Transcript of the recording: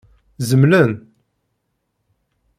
Zemlen?